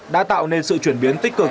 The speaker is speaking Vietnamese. đã tạo nên sự chuyển biến tích cực